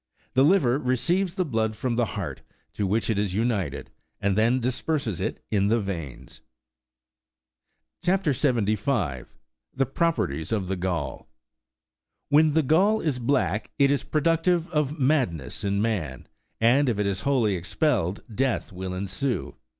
The liver receives the blood from the heart, to which it is united, and then disperses it in the veins. CHAP. 75.— THE PBOPEKTIES OF THE GALL. When the gall is black, it is productive of madness in man, and if it is wholly expelled death will ensue.